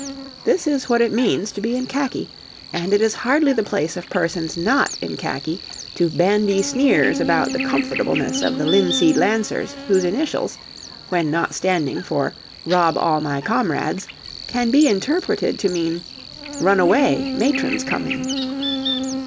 This is what it means to be in khaki, and it is hardly the place of persons not in khaki to bandy sneers about the comfortableness of the Linseed Lancers whose initials, when not standing for Rob All My Comrades, can be interpreted to mean Run Away, Matron's Coming.